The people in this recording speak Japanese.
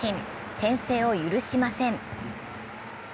先制を許しません。